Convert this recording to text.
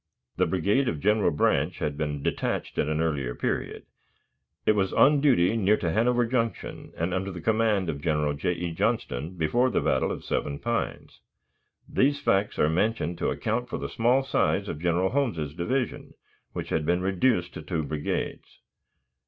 The brigade of General Branch had been detached at an earlier period; it was on duty near to Hanover Junction, and under the command of General J. E. Johnston before the battle of Seven Pines. These facts are mentioned to account for the small size of General Holmes's division, which had been reduced to two brigades.